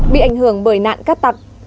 bị ảnh hưởng bởi nạn cát tặc